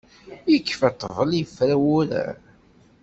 Ikfa ṭṭbel ifra wurar.